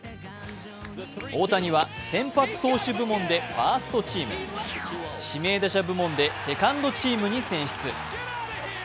大谷は先発投手部門でファーストチーム、指名打者部門でセカンドチームに選出。